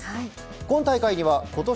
今大会には今年。